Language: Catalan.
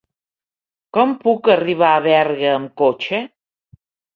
Com puc arribar a Berga amb cotxe?